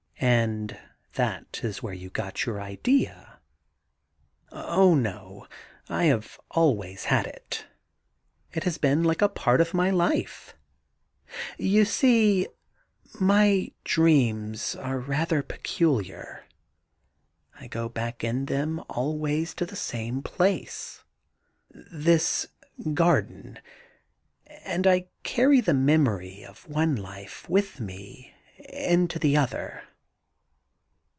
' And that is where you got your idea ?' 'Oh no; I have always had it It has been like a part of my life. ... You see my dreams are rather peculiar ... I go back in them always to the same place — ^this garden — and I carry the memory of one life with me into the other.